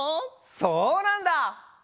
そうなんだ！